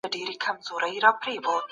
مقايسه د علمي کار بنسټ دی.